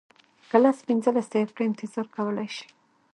که لس پنځلس دقیقې انتظار کولی شې.